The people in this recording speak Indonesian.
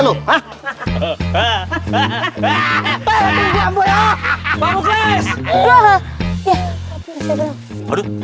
lu bikin gua takut sama lu